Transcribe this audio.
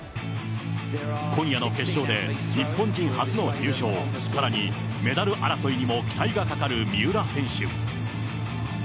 今夜の決勝で、日本人初の入賞、さらにメダル争いにも期待がかかる三浦選手。